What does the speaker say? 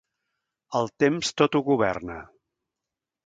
El temps tot ho governa.